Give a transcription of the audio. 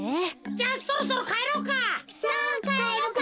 じゃあそろそろかえろうか。